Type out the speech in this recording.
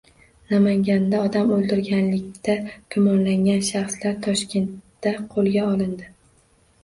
Namanganda odam o‘ldirganlikda gumonlangan shaxslar Toshkentda qo‘lga olindi